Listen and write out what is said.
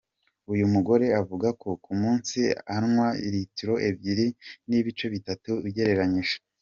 Uyu mugore avuga ko ku munsi anwa litiro ebyiri n’ ibice bitatu ugereranyije.